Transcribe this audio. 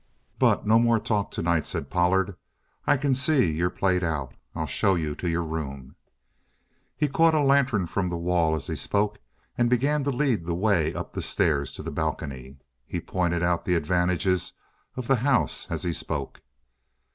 "But no more talk tonight," said Pollard. "I can see you're played out. I'll show you the room." He caught a lantern from the wall as he spoke and began to lead the way up the stairs to the balcony. He pointed out the advantages of the house as he spoke.